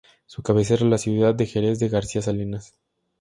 Su cabecera es la ciudad de Jerez de García Salinas.